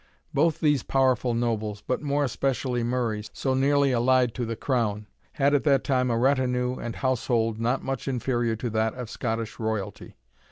Both these powerful nobles, but more especially Murray, so nearly allied to the crown, had at that time a retinue and household not much inferior to that of Scottish royalty.